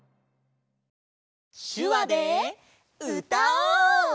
しゅわでうたおう！